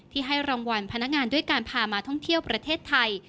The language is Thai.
ให้รางวัลพนักงานด้วยการพามาท่องเที่ยวประเทศไทย